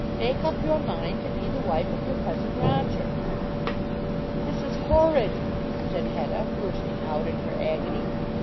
Make up your mind to be the wife of your cousin Roger." "This is horrid," said Hetta, bursting out in her agony.